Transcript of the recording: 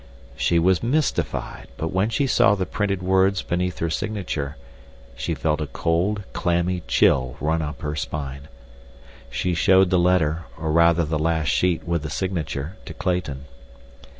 She was mystified; but when she saw the printed words beneath her signature, she felt a cold, clammy chill run up her spine. She showed the letter, or rather the last sheet with the signature, to Clayton.